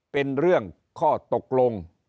เป็นเรื่องข้อตกลง